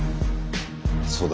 そうだ